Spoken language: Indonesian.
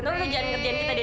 nuri jangan kerjaan kita nuri